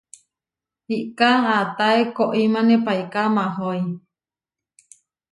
Iʼká aatáe koʼimáne paiká mahói.